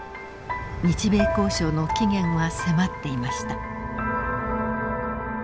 日米交渉の期限は迫っていました。